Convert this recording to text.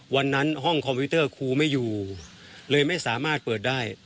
วันนั้นห้องคอมพิวเตอร์ครูไม่อยู่เลยไม่สามารถเปิดได้